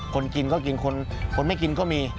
คนกินก็กินคนไม่กินก็มี